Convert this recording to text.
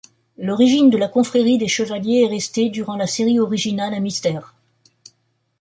L'origine de la Confrérie des Chevaliers est restée, durant la série originale, un mystère.